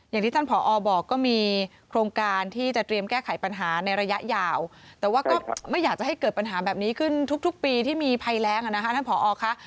อย่างที่ท่านผอบอกก็มีโครงการที่จะเตรียมแก้ไขปัญหาในระยะยาวแต่ว่าก็ไม่อยากจะให้เกิดปัญหาแบบนี้ขึ้นทุกปีที่มีภัยแรงอ่ะนะคะท่านผอค่ะ